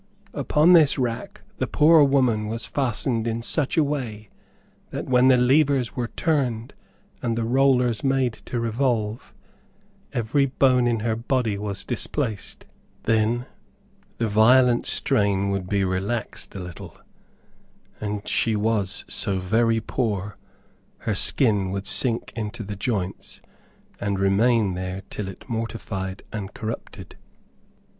Upon this rack the poor woman was fastened in such a way, that when the levers were turned and the rollers made to revolve, every bone in her body was displaced. Then the violent strain would be relaxed, a little, and she was so very poor, her skin would sink into the joints and remain there till it mortified and corrupted.